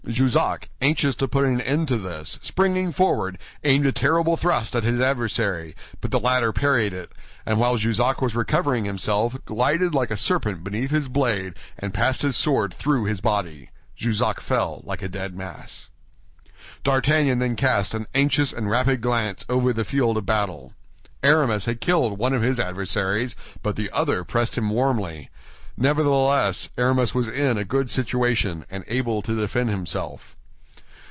Jussac, anxious to put an end to this, springing forward, aimed a terrible thrust at his adversary, but the latter parried it; and while Jussac was recovering himself, glided like a serpent beneath his blade, and passed his sword through his body. Jussac fell like a dead mass. D'Artagnan then cast an anxious and rapid glance over the field of battle. Aramis had killed one of his adversaries, but the other pressed him warmly. Nevertheless, Aramis was in a good situation, and able to defend himself.